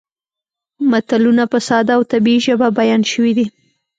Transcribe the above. متلونه په ساده او طبیعي ژبه بیان شوي دي